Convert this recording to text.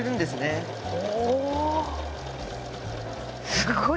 すごい。